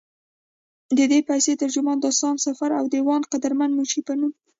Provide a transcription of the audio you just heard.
ددې پسې، ترجمان، داستان سفر او ديوان قدرمند منشي پۀ نوم